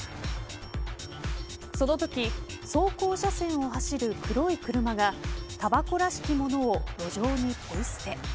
そのとき走行車線を走る黒い車がたばこらしきものを路上にぽい捨て。